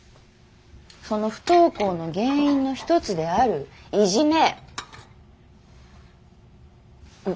その不登校の原因の一つであるいじめ。